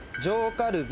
カルビ。